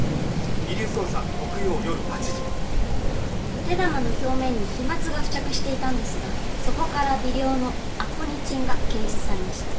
お手玉の表面に飛沫が付着していたんですがそこから微量のアコニチンが検出されました。